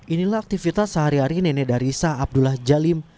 inilah aktivitas sehari hari nenek dari sah abdullah jalim